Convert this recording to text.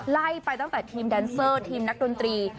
ไล่ไปตั้งแต่ทีมแดนเซอร์ทีมนักดนตรี